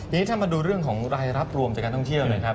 ทีนี้ถ้ามาดูเรื่องของรายรับรวมจากการท่องเที่ยวนะครับ